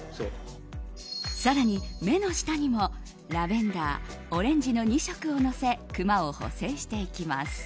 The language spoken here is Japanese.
更に、目の下にもラベンダー、オレンジの２色をのせクマを補正していきます。